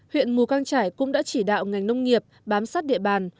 huyện mù căng trải cũng đã chỉ đạo ngành nông nghiệp bám sát địa bàn